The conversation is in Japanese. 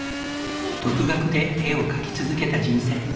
独学で絵を描き続けた人生。